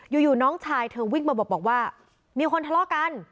อยู่น้องชายเธอวิ่งมาบอกว่ามีคนทะเลาะกัน